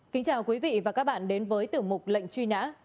kính chào quý vị và các bạn đến với tiểu mục lệnh truy nã